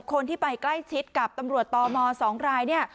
คนที่ไปใกล้ชิดกับตำรวจตม๒รายเนี่ย